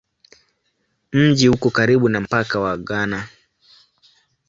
Mji uko karibu na mpaka wa Ghana.